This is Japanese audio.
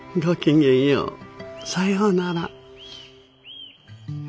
さようなら。